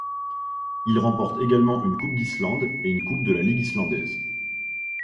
Il remporte également une Coupe d'Islande et une Coupe de la Ligue islandaise.